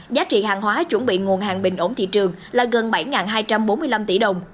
giá trị hàng hóa chuẩn bị nguồn hàng bình ổn thị trường là gần bảy hai trăm bốn mươi năm tỷ đồng